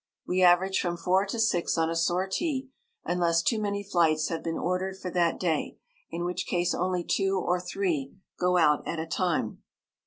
We average from four to six on a sortie, unless too many flights have been ordered for that day, in which case only two or three go out at a time.